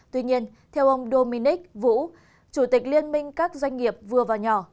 tuy nhiên theo ông dominic vũ chủ tịch liên minh các doanh nghiệp vừa và nhỏ